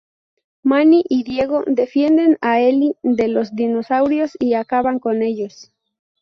Manny y Diego defienden a Ellie de los dinosaurios y acaban con ellos.